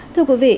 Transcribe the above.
thưa quý vị